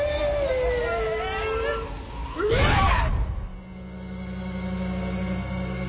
うわっ！